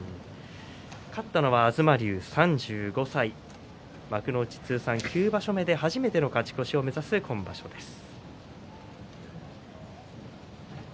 勝ったのは、東龍３５歳幕内９場所目、初めての勝ち越しを目指しています。